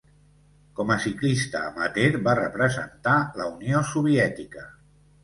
Com a ciclista amateur, va representar la Unió Soviètica.